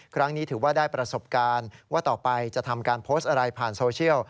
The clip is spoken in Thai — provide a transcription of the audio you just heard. ถือว่าได้ประสบการณ์ว่าต่อไปจะทำการโพสต์อะไรผ่านโซเชียล